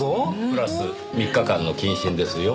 プラス３日間の謹慎ですよ。